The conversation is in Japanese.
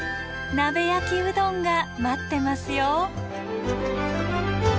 鍋焼きうどんが待ってますよ。